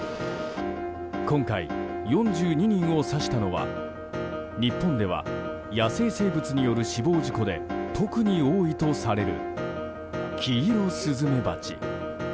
今回、４２人を刺したのは日本では、野生生物による死亡事故で最も多いとされるキイロスズメバチ。